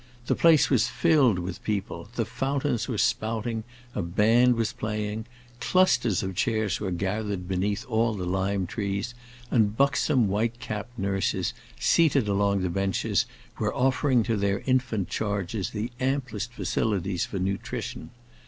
The place was filled with people, the fountains were spouting, a band was playing, clusters of chairs were gathered beneath all the lime trees, and buxom, white capped nurses, seated along the benches, were offering to their infant charges the amplest facilities for nutrition.